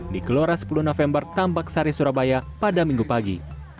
di kelora sepuluh november tambak sari surabaya pada minggu pagi